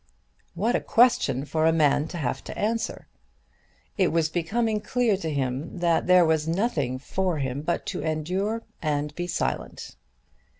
What a question for a man to have to answer! It was becoming clear to him that there was nothing for him but to endure and be silent.